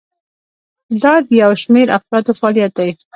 دا د یو شمیر افرادو فعالیت دی.